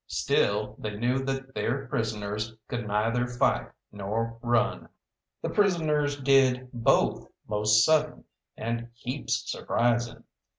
Still, they knew that their prisoners could neither fight nor run. The prisoners did both most sudden, and heaps surprising.